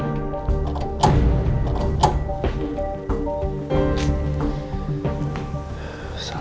ini apa kodenya ya